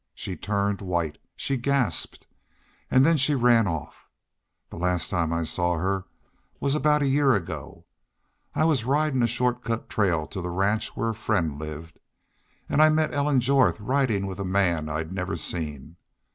She turned white. She gasped. And then she ran off. The last time I saw her was about a year ago. I was ridin' a short cut trail to the ranch where a friend lived. And I met Ellen Jorth ridin' with a man I'd never seen.